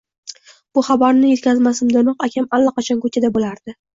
Bu xabarni etkazmasimdanoq akam allaqachon ko`chada bo`lardi